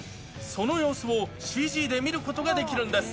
その様子をＣＧで見ることができるんです。